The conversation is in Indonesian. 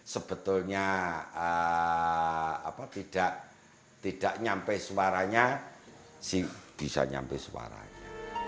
sebetulnya tidak nyampe suaranya bisa nyampe suaranya